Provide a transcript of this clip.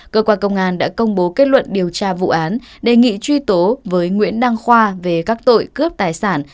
cơ quan công an đã công bố kết luận điều tra vụ án đề nghị truy tố với nguyễn đăng khoa về các tội cướp tài sản